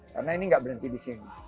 karena ini nggak berhenti di sini